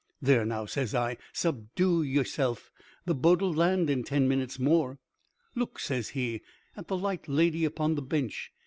"There now," says I; "subdue yeself. The boat'll land in ten minutes more." "Look," says he, "at the light lady upon the bench.